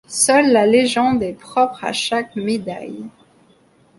Seule la légende est propre à chaque médaille.